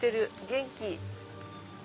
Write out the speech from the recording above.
元気。